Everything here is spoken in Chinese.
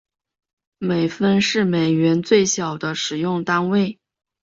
美分是美元最小的使用单位。